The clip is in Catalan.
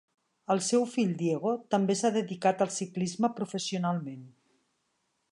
El seu fill Diego també s'ha dedicat al ciclisme professionalment.